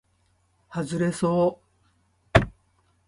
はずれそう